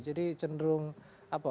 jadi cenderung apa